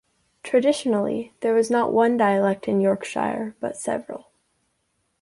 Traditionally, there was not one dialect in Yorkshire but several.